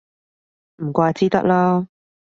唔怪之得啦